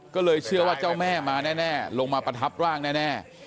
ก็เลยเชื่อว่าเจ้าแม่มาแน่ลงมาประทับร่างแน่